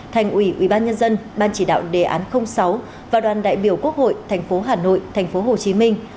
thành ủy ubnd ban chỉ đạo đề án sáu và đoàn đại biểu quốc hội tp hà nội tp hồ chí minh